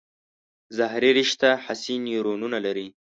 ظهري رشته حسي نیورونونه لري.